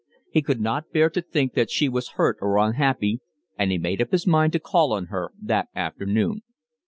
He could not bear to think that she was hurt or unhappy, and he made up his mind to call on her that afternoon.